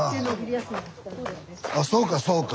あそうかそうか。